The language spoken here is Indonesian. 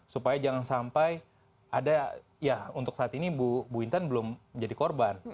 supaya jangan sampai ada ya untuk saat ini bu intan belum menjadi korban